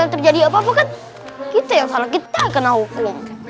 terjadi apa apa kan kita yang salah kita kenal